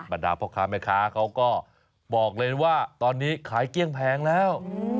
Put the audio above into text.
บรรดาพ่อค้าแม่ค้าเขาก็บอกเลยว่าตอนนี้ขายเกลี้ยงแพงแล้ว